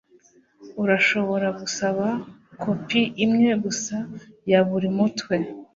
Urashobora gusaba kopi imwe gusa ya buri mutwe